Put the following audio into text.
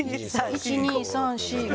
１２３４５。